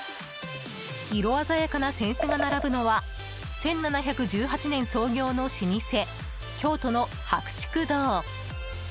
色鮮やかな扇子が並ぶのは１７１８年創業の老舗京都の白竹堂。